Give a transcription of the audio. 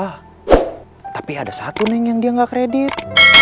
ah tapi ada satu neng yang dia enggak kredit